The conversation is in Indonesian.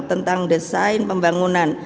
tentang desain pembangunan